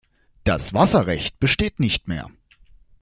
Das Wasserrecht besteht nicht mehr.